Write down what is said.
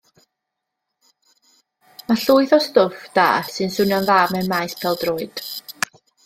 Mae llwyth o stwff da sy'n swnio'n dda mewn maes pêl-droed.